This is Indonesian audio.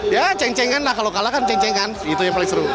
ya ceng ceng kan kalau kalah kan ceng ceng kan itu yang paling seru